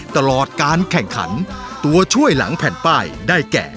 ตลอดการแข่งขันตัวช่วยหลังแผ่นป้ายได้แก่